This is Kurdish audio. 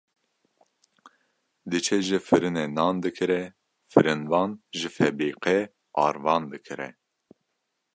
diçe ji firinê nan dikire, firinvan ji febrîqê arvan dikire.